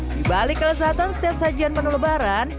di balik kelesatan setiap sajian penuh lebaran